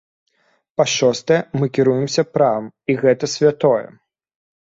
Па-шостае, мы кіруемся правам, і гэта святое.